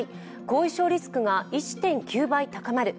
後遺症リスクが１．９倍高まる。